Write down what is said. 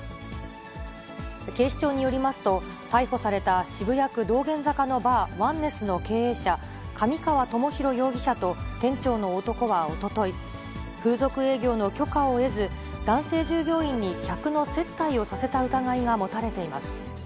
警視庁によりますと、逮捕された渋谷区道玄坂のバー、ワンネスの経営者、神川友宏容疑者と店長の男はおととい、風俗営業の許可を得ず、男性従業員に客の接待をさせた疑いが持たれています。